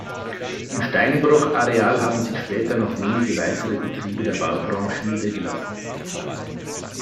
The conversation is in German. Im Steinbruch-Areal haben sich später noch wenige weitere Betriebe der Baubranche niedergelassen.